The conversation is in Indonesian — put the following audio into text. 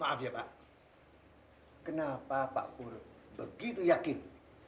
maaf ya pak kenapa pak pur begitu yakin